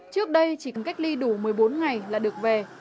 trước đây chỉ cần cách ly đủ một mươi bốn ngày là được về